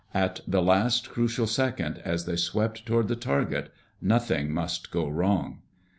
At the last crucial second as they swept toward the target, nothing must go wrong.